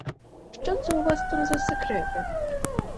Що це у вас там за секрети?